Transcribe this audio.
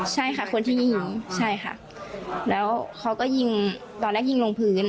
ใช่ค่ะคนที่ยิงใช่ค่ะแล้วเขาก็ยิงตอนแรกยิงลงพื้น